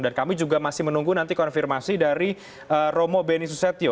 dan kami juga masih menunggu nanti konfirmasi dari romo beni susetio